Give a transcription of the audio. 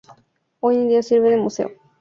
Hoy en día sirve de museo.